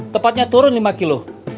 tepatnya turun lima kilo